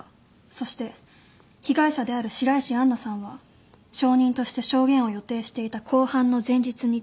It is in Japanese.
そして被害者である白石杏奈さんは証人として証言を予定していた公判の前日に自殺。